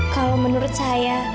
kalau menurut saya